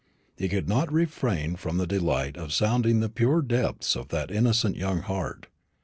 He could not refrain from the delight of sounding the pure depths of that innocent young heart.